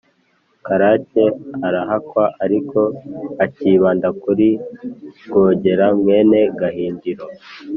karake arahakwa, ariko akibanda kuri rwogera mwene gahindiro,